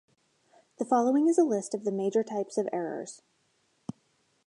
The following is a list of the major types of errors.